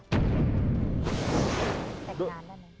แต่งงานได้ไหม